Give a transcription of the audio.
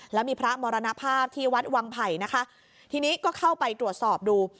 แล้วมีพระมรณภาพที่วัดวังไผ่นะคะทีนี้ก็เข้าไปตรวจสอบดู